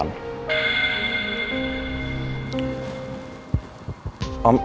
ini mengenai om irfan